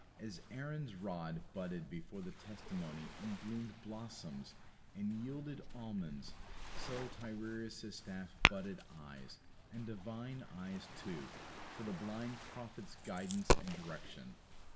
As Aaron's rod budded before the testimony and bloomed blossoms and yielded almonds, so Tiresias' staff budded eyes, and divine eyes too, for the blind prophet's guidance and direction.